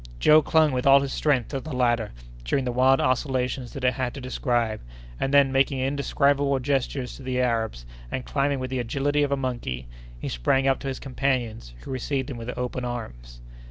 Joe clung with all his strength to the ladder during the wide oscillations that it had to describe, and then making an indescribable gesture to the Arabs, and climbing with the agility of a monkey, he sprang up to his companions, who received him with open arms.